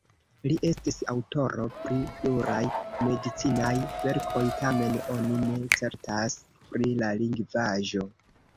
Li estis aŭtoro pri pluraj medicinaj verkoj, tamen oni ne certas pri la lingvaĵo.